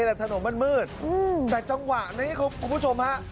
แต่ถนนมันมืดแต่จังหวะนี้คุณผู้ชมฮะ